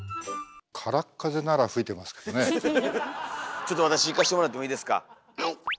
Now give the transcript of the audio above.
ちょっと私いかせてもらってもいいですか？